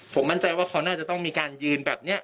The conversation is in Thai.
ผมมั่นใจว่าเขาน่าจะต้องมีการยืนแบบนี้